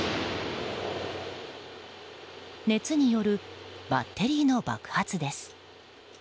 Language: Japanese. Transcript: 熱によるバッテリーの爆発です。